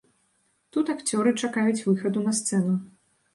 Тут акцёры чакаюць выхаду на сцэну.